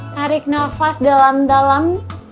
tarik nafas dalam dalam